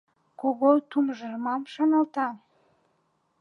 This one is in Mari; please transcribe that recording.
Кого тумжы мам шаналта?